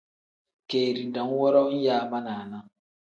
Keeri dam woro nyaa ma naana.